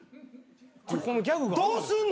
どうすん？